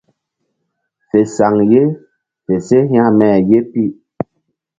Fe saŋ ye fe se hekme ye pi.